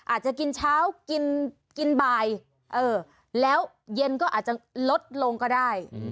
อาจจะกินเช้ากินบ่ายแล้วเย็นก็อาจจะลดลงก็ได้